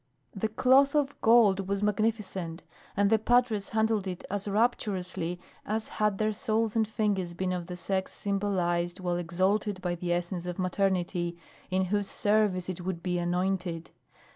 The cloth of gold was magnificent, and the padres handled it as rapturously as had their souls and fingers been of the sex symbolized while exalted by the essence of maternity, in whose service it would be anointed.